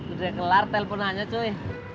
udah kelar telponannya cuy